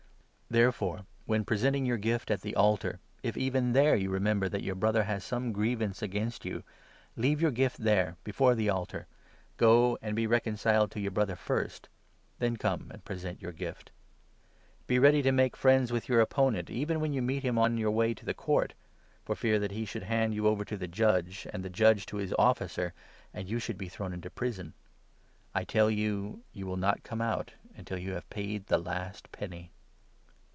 Therefore, when presenting your gift at the altar, if even there you remember that your brother has some grievance against you, leave your gift there, before the altar, go and be reconciled to your brother first, then come and present your gift. Be ready to make friends with your opponent, even when you meet him on your way to the court ; for fear that he should hand you over to the judge, and the judge to his officer, and you should be thrown into prison. I tell you, you will not come out until you have paid the last penny.